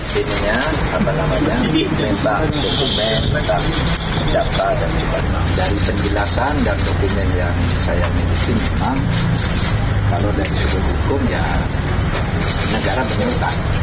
jadinya apa namanya rebel dokumen data dan dari penjelasan dan dokumen yang saya miliki memang kalau dari sudut hukum ya negara punya utang